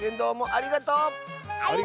ありがとう！